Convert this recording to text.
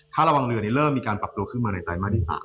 ค่าระวังเรือนี้เริ่มมีการปรับปรับตัวขึ้นมาในไตม่าที่๓